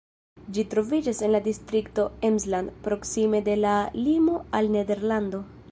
Ĝi troviĝas en la distrikto Emsland, proksime de la limo al Nederlando.